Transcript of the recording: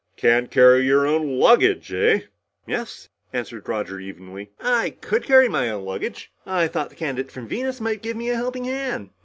"Can't carry your own luggage, eh?" "Yes," answered Roger evenly. "I could carry my own luggage. I thought the candidate from Venus might give me a helping hand.